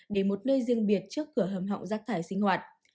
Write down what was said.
để một nơi riêng biệt trước cửa hầm họng rác thải sinh hoạt